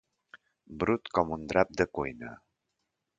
Brut com un drap de cuina.